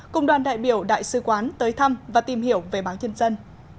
cùng đoàn đại biểu đại sứ quán tới thăm và tìm hiểu về báo nhân dân